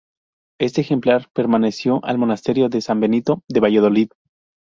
Este ejemplar perteneció al Monasterio de San Benito de Valladolid.